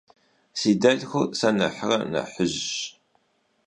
Si delhxur se nexhre nexhıjş.